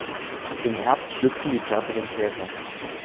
Im Herbst schlüpfen die fertigen Käfer.